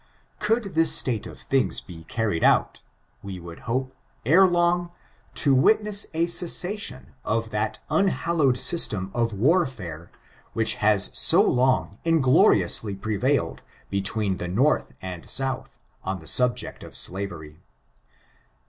Gould this state of things be carried out, we would hope, ere long, to witness a cessation of that unhallowed system of warfare which has so long ingloriously prevailed be tween the North and South, on the subject of slavery.